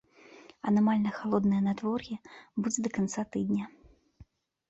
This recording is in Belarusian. Анамальна халоднае надвор'е будзе да канца тыдня.